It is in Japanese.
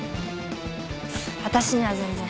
私には全然。